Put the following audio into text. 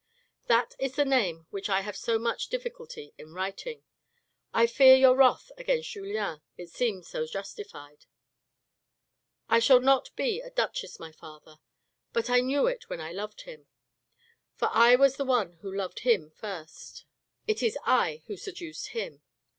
That is the name which I have so much difficulty in writing. I fear your wrath against Julien, it seems so justified. I shall not be a duchess, my father ; but I knew it when I loved him ; for I was the one who loved him first, it was I who seduced him.